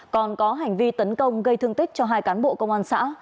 còn có hành vi tấn công gây thương tích cho hai cán bộ công an xã